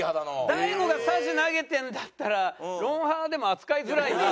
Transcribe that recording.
大悟がさじ投げてるんだったら『ロンハー』でも扱いづらいな。